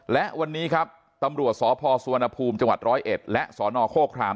และวันนี้ครับตำรวจสพสวนภูมิจร้อยเอ็ดและสนโฆคราม